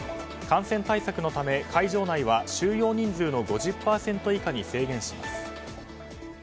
感染対策のため会場内は収容人数の５０％以下に制限します。